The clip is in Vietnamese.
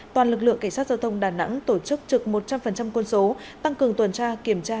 toàn lực lượng cảnh sát giao thông đà nẵng tổ chức trực một trăm linh quân số tăng cường tuần tra kiểm tra